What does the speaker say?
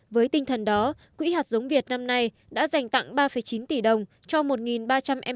với tinh thần đó quỹ hạt giống việt năm nay đã dành tặng ba chín tỷ đồng cho một ba trăm linh em